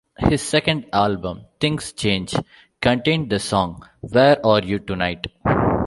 His second album, "Things Change", contained the song "Where Are You Tonight".